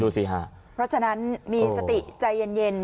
ดูซิห้าเพราะฉะนั้นมีสติใจเย็นเย็น